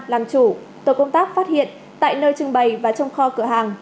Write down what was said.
làm chủ tổ công tác phát hiện tại nơi trưng bày và trong kho cửa hàng